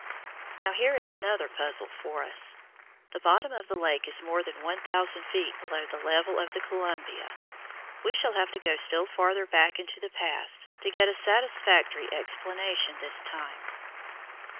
Now here is another puzzle for us: the bottom of the lake is more than one thousand feet below the level of the Columbia. We shall have to go still farther back into the past to get a satisfactory explanation this time.